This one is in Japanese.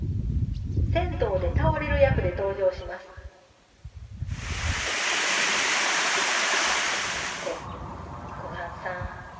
銭湯で倒れる役で登場します小雁さん